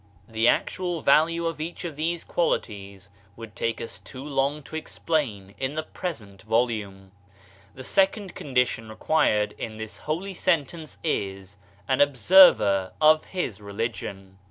The actual value of each of these qualities would take us too long to explain in the present volume. The second condition required in this holy sentence is : "An observer of his religion."